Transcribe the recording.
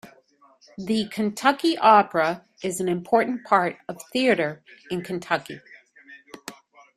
The Kentucky Opera is an important part of theater in Kentucky.